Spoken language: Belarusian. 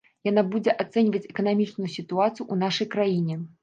Яна будзе ацэньваць эканамічную сітуацыю ў нашай краіне.